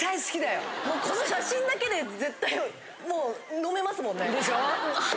もうこの写真だけで絶対もう飲めますもんね。でしょう？